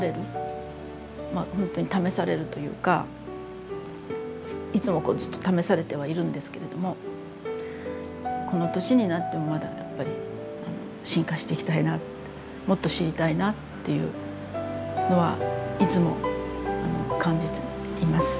まあほんとに試されるというかいつもずっと試されてはいるんですけれどもこの年になってもまだやっぱり進化していきたいなってもっと知りたいなっていうのはいつも感じています。